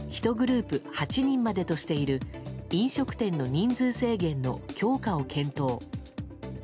１グループ８人までとしている飲食店の人数制限の強化を検討。